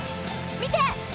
見て！